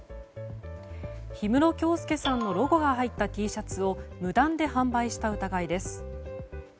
氷室京介さんのロゴが入ったＴシャツを無断で販売した疑いです。